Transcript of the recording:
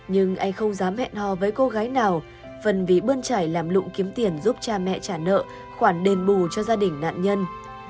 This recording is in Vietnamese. nhưng anh không dám hẹn hò với cô gái nào phần vì bơn trải làm lụng kiếm tiền giúp cha mẹ trả nợ khoản đền bù cho gia đình nạn nhân